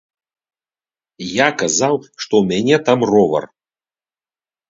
Я сказаў, што ў мяне там ровар.